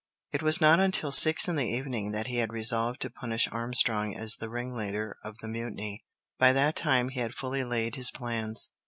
It was not until six in the evening that he had resolved to punish Armstrong as the ringleader of the mutiny. By that time he had fully laid his plans.